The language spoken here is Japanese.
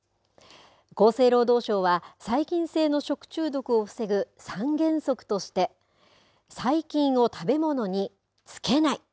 厚生労働省は細菌性の食中毒を防ぐ３原則として細菌を食べ物につけない。